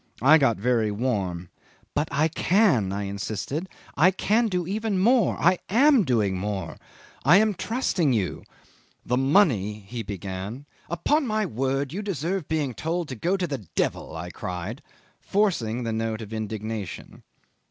I got very warm. "But I can," I insisted. "I can do even more. I am doing more. I am trusting you ..." "The money ..." he began. "Upon my word you deserve being told to go to the devil," I cried, forcing the note of indignation.